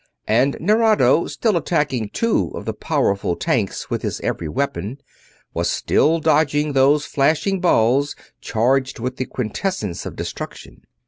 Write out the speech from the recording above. And Nerado, still attacking two of the powerful tanks with his every weapon, was still dodging those flashing balls charged with the quintessence of destruction.